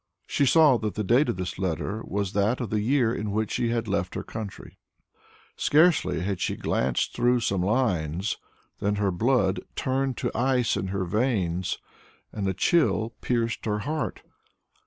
She saw that the date of this letter was that of the year in which she had left her country. Scarcely had she glanced through some lines than her blood turned to ice in her veins and a chill pierced her heart.